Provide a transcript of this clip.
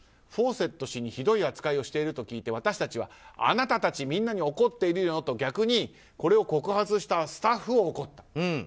フォーセット氏にひどい扱いをしていると聞いて私たちはあなたたちみんなに怒っているのよと逆にこれを告発したスタッフを怒った。